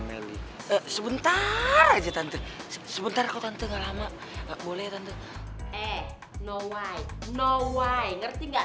nelly sebentar aja tante sebentar kau tante nggak lama boleh eh no way no way ngerti nggak